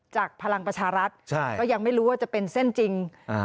จากพลังประชารัฐก็ยังไม่รู้ว่าจะเป็นเส้นจริง